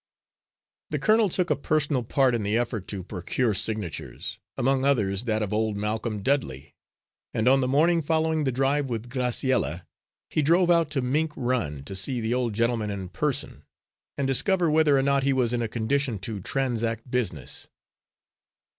The colonel took a personal part in the effort to procure signatures, among others that of old Malcolm Dudley and on the morning following the drive with Graciella, he drove out to Mink Run to see the old gentleman in person and discover whether or not he was in a condition to transact business.